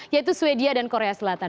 yaitu swedia dan korea selatan